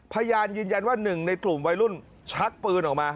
พยานยืนยันว่าหนึ่งในกลุ่มวัยรุ่นชักปืนออกมา